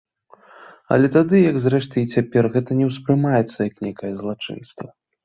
Але тады, як зрэшты і цяпер, гэта не ўспрымаецца як нейкае злачынства.